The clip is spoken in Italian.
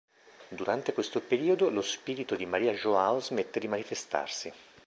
Durante questo periodo, lo spirito di Maria João smette di manifestarsi.